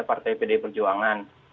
partai pdi perjuangan